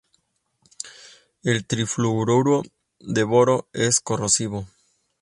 El trifluoruro de boro es corrosivo.